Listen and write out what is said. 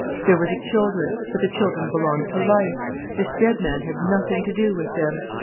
There were the children—but the children belonged to life. This dead man had nothing to do with them.